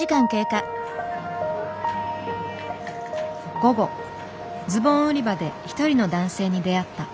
午後ズボン売り場で一人の男性に出会った。